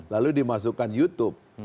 lalu dimasukkan youtube